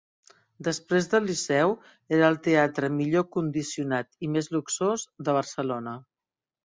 Després del Liceu era el teatre millor condicionat i més luxós de Barcelona.